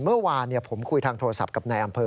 เมื่อวานผมคุยทางโทรศัพท์กับนายอำเภอ